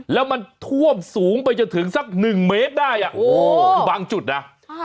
แล้วมันท่วมสูงไปจนถึงสักหนึ่งเมตรได้อ่ะโอ้โหคือบางจุดนะ